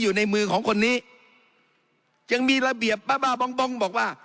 อยู่ในมือของคนนี้ยังมีระเบียบบ้าบ้าบองบองบอกว่า